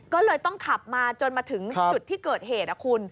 ก็เลยต้องขับมาจนมาถึงจุดที่เกิดเหตุคุณ